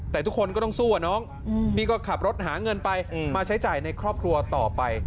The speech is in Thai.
แต่ทุกคนก็ต้องสู้อะน้องพี่ก็ขับรถหาเงินไปมาใช้จ่ายในครอบครัวต่อไป